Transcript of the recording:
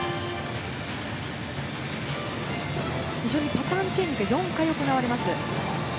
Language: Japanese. パターンチェンジが４回行われます。